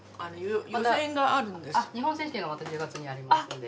日本選手権がまた１０月にありますので。